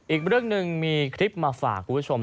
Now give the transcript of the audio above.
อีกเรื่องหนึ่งมีคลิปมาฝากคุณผู้ชม